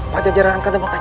pada jarak angkatan bakacang